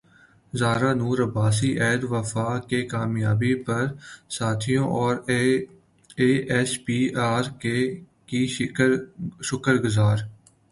زارا نور عباس عہد وفا کی کامیابی پر ساتھیوں اور ائی ایس پی ار کی شکر گزار